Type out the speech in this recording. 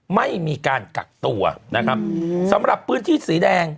ไม่มีการกักตัวนะครับสำหรับพื้นที่สีแดง